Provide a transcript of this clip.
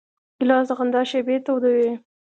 ګیلاس د خندا شېبې تودوي.